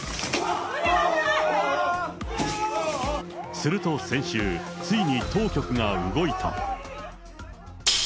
すると先週、ついに当局が動いた。